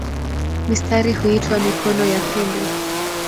Mistari huitwa "mikono" ya pembe.